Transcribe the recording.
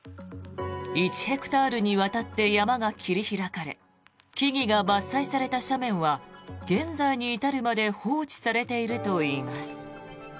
１ヘクタールにわたって山が切り開かれ木々が伐採された斜面は現在に至るまで放置されているといいます。